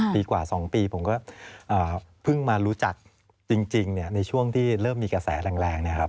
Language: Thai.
ปีกว่า๒ปีผมก็เพิ่งมารู้จักจริงในช่วงที่เริ่มมีกระแสแรงเนี่ยครับ